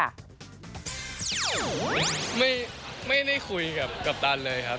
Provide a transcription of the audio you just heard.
ไม่ได้คุยกับกัปตันเลยครับ